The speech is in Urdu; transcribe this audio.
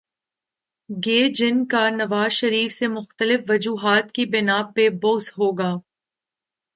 گے جن کا نواز شریف سے مختلف وجوہات کی بناء پہ بغض ہو گا۔